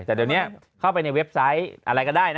แต่เดี๋ยวนี้เข้าไปในเว็บไซต์อะไรก็ได้นะ